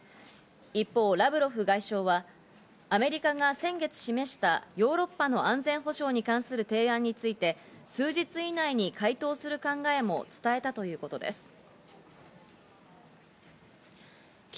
一方、ラブロフ外相はアメリカが先月示した、ヨーロッパの安全保障に関する提案について、数日以内に回答する考えも伝えたということです。